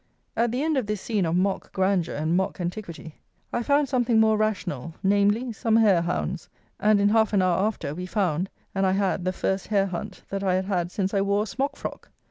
At the end of this scene of mock grandeur and mock antiquity I found something more rational; namely, some hare hounds, and, in half an hour after, we found, and I had the first hare hunt that I had had since I wore a smock frock!